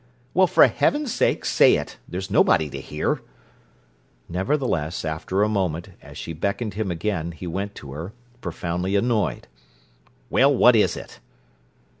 "Well, for heaven's sake, say it! There's nobody to hear." Nevertheless, after a moment, as she beckoned him again, he went to her, profoundly annoyed. "Well, what is it?"